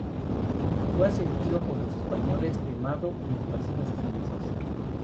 Que fue asesinado por los españoles, quemado y esparcidas sus cenizas.